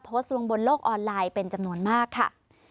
โพสต์ลงบนโลกออนไลน์เป็นจำนวนมากค่ะ